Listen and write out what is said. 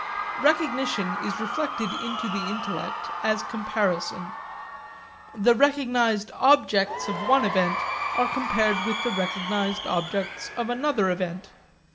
Recognition is reflected into the intellect as comparison. The recognised objects of one event are compared with the recognised objects of another event.